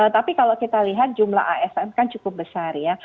tapi kalau kita lihat jumlah asn kan cukup besar ya